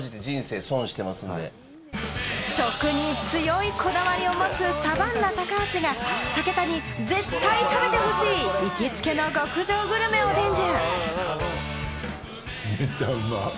食に強いこだわりを持つサバンナ・高橋が武田に絶対食べてほしい、行きつけの極上グルメを伝授。